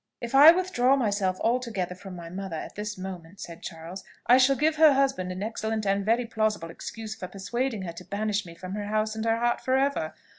"If I withdraw myself altogether from my mother at this moment," said Charles, "I shall give her husband an excellent and very plausible excuse for persuading her to banish me from her house and her heart for ever.